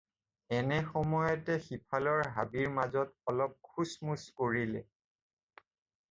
এনে সময়তে সিফালৰ হাবিৰ মাজত অলপ খুচ মুচ কৰিলে।